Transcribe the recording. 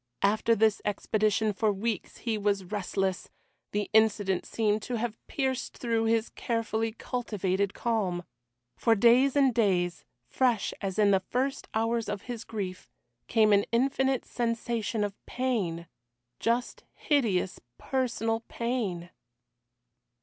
After this expedition for weeks he was restless the incident seemed to have pierced through his carefully cultivated calm. For days and days, fresh as in the first hours of his grief, came an infinite sensation of pain just hideous personal pain.